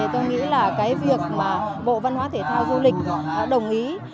tôi nghĩ là cái việc mà bộ văn hóa thể thao du lịch đồng ý